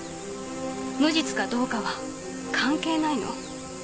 無実かどうかは関係ないの。